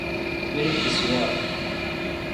Birikisiwa.